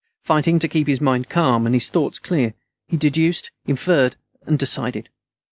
Fighting to keep his mind calm and his thoughts clear, he deduced, inferred, and decided.